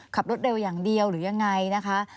ขับรถเร็วอย่างเดียวหรือยังไงนะคะ